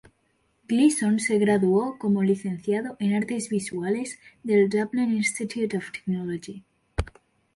Gleeson se graduó como Licenciado en Artes Visuales del Dublin Institute of Technology.